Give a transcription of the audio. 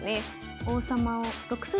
王様を６筋に。